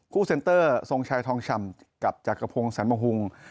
คู่เซ็นเตอร์ทรงชายทองชำกับจากกระพงสันมหุง